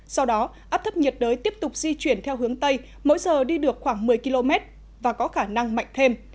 sau đó áp thấp nhiệt đới tiếp tục di chuyển theo hướng tây mỗi giờ đi được khoảng một mươi km và có khả năng mạnh thêm